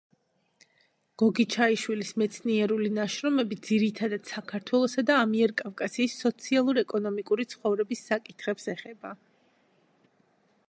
გოგიჩაიშვილის მეცნიერული ნაშრომები ძირითადად საქართველოსა და ამიერკავკასიის სოციალურ-ეკონომიური ცხოვრების საკითხებს ეხება.